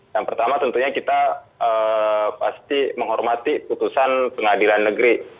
yang pertama tentunya kita pasti menghormati putusan pengadilan negeri